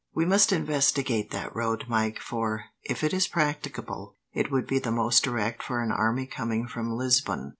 "We must investigate that road, Mike, for, if it is practicable, it would be the most direct for an army coming from Lisbon.